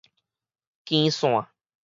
經線